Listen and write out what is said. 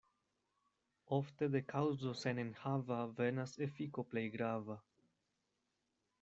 Ofte de kaŭzo senenhava venas efiko plej grava.